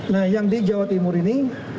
nah yang di jawa timur ini